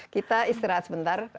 kita istirahat sebentar